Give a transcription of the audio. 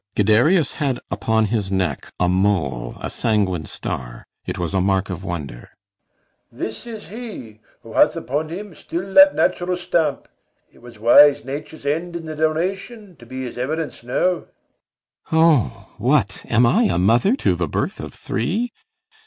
Guiderius had Upon his neck a mole, a sanguine star; It was a mark of wonder. BELARIUS. This is he, Who hath upon him still that natural stamp. It was wise nature's end in the donation, To be his evidence now. CYMBELINE. O, what am I? A mother to the birth of three?